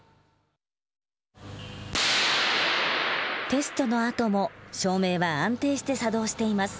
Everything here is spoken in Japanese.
テストの後も照明は安定して作動しています。